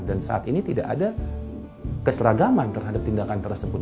dan saat ini tidak ada keseragaman terhadap tindakan tersebut